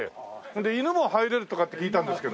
で犬も入れるとかって聞いたんですけど。